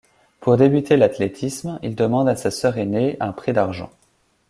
Pour débuter l'athlétisme, il demande à sa sœur aînée un prêt d'argent.